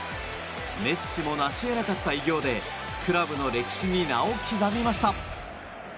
メッシもなし得なかった偉業でクラブの歴史に名を刻みました。